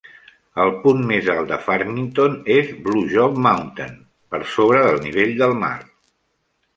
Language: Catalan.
El punt més alt de Farmington és Blue Job Mountain, per sobre del nivell del mar.